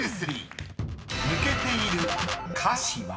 ［抜けている歌詞は？］